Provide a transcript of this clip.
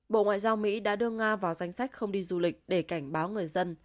bộ ngoại giao mỹ đã đưa nga vào danh sách không đi du lịch để cảnh báo người dân